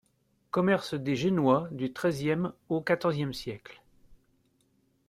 - Commerce des Génois du XIIIe au XIVe siècle.